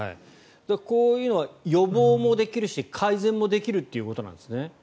こういうのは予防もできるし改善もできるということなんですね。